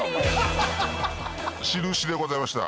『しるし』でございました。